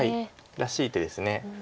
らしい手です。